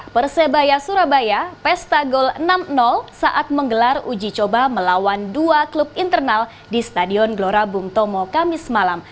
persebaya surabaya pesta gol enam saat menggelar uji coba melawan dua klub internal di stadion gelora bung tomo kamis malam